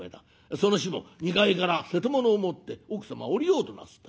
その日も２階から瀬戸物を持って奥様は下りようとなすった。